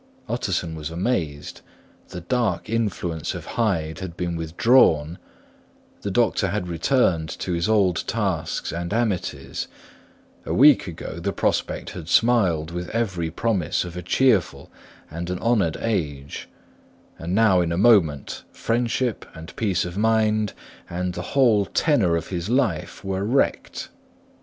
Utterson was amazed; the dark influence of Hyde had been withdrawn, the doctor had returned to his old tasks and amities; a week ago, the prospect had smiled with every promise of a cheerful and an honoured age; and now in a moment, friendship, and peace of mind, and the whole tenor of his life were wrecked.